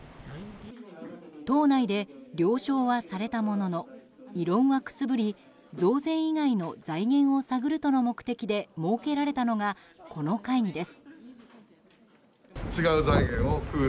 党内で了承はされたものの異論はくすぶり増税以外の財源を探るとの目的で設けられたのが、この会議です。